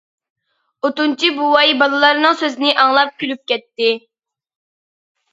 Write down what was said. ئوتۇنچى بوۋاي بالىلارنىڭ سۆزىنى ئاڭلاپ كۈلۈپ كەتتى.